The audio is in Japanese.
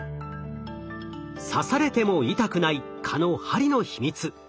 刺されても痛くない蚊の針の秘密。